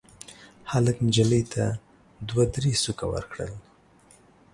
هلک نجلۍ ته دوه درې سوکه ورکړل.